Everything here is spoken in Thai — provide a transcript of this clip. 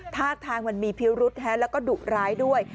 ท่าทางมันมีพิรุธแล้วก็ดุร้ายด้วย